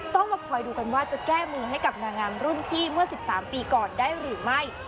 ต้องมาคอยดูกันว่าจะแก้มือให้กับนางงามรุ่นพี่เมื่อ๑๓ปีก่อนได้หรือไม่